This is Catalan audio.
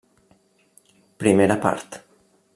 Primera part.